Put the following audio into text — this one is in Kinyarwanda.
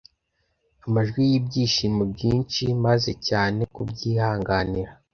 Amajwi y'ibyishimo byinshi, meza cyane kubyihanganira;